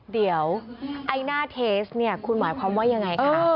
เดี๋ยวหน้าเทสควรหมายความว่ายังไง